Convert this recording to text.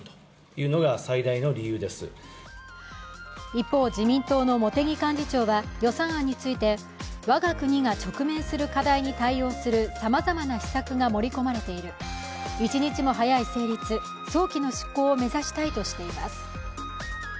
一方、自民党の茂木幹事長は予算案について我が国が直面する課題に対応するさまざまな施策が盛り込まれている、一日も早い成立、早期の執行を目指したいとしています。